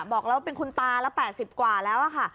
บอกว่าเป็นคุณตารัฐ๘๐กว่าแล้ว